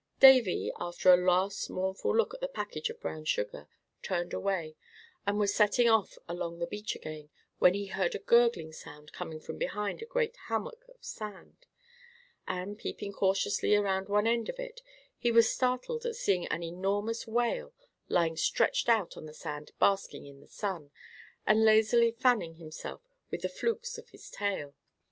Davy, after a last mournful look at the package of brown sugar, turned away, and was setting off along the beach again, when he heard a gurgling sound coming from behind a great hummock of sand, and, peeping cautiously around one end of it, he was startled at seeing an enormous whale lying stretched out on the sand basking in the sun, and lazily fanning himself with the flukes of his tail.